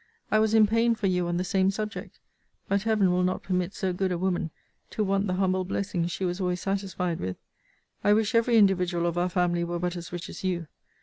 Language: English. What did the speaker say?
I was in pain for you on the same subject. But Heaven will not permit so good a woman to want the humble blessings she was always satisfied with. I wish every individual of our family were but as rich as you!